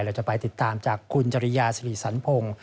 เราจะไปติดตามจากคุณจริยาสิริสันพงศ์